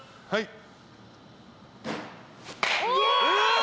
はい。